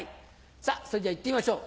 さぁそれじゃいってみましょう。